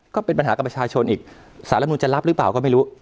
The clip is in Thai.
ก็เป็นปัญหากับประชาชนอีกสารรัฐมนุนจะรับหรือเปล่าก็ไม่รู้